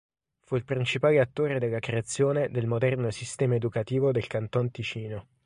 Fu il principale attore della creazione del moderno sistema educativo del Canton Ticino.